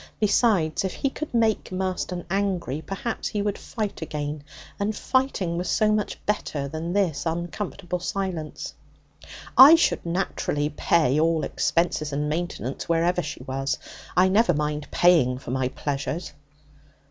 Besides, if he could make Marston angry, perhaps he would fight again, and fighting was so much better than this uncomfortable silence. 'I should naturally pay all expenses and maintenance wherever she was; I never mind paying for my pleasures.'